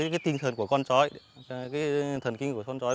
cái tinh thần của con chó ấy cái thần kinh của con chó ấy